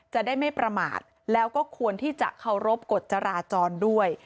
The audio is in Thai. จะได้ไม่ประมาทแล้วก็ควรที่จะเคารพกฎจราจรด้วย